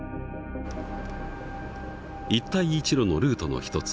一帯一路のルートの一つ